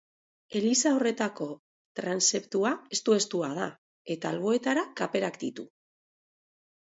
Eliza horretako transeptua estu-estua da, eta alboetara kaperak ditu.